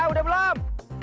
eh udah belum